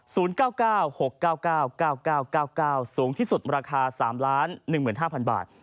สูงที่สุดราคา๓ล้าน๑หมื่น๕พันบาท